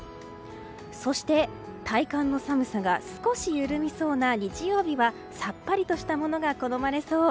そして、体感の寒さが少し緩みそうな日曜日はさっぱりとしたものが好まれそう。